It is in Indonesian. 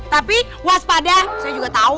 tapi waspada saya juga tahu